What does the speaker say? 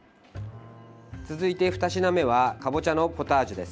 続いて２品目はかぼちゃのポタージュです。